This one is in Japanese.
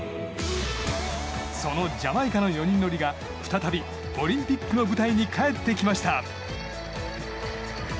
そのジャマイカの４人乗りが再びオリンピックの舞台に帰ってきました。